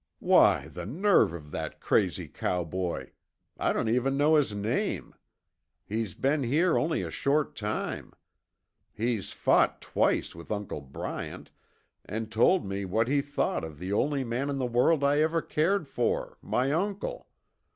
"Why, the nerve of that crazy cowboy! I don't even know his name. He's been here only a short time; he's fought twice with Uncle Bryant, and told me what he thought of the only man in the world I ever cared for, my uncle.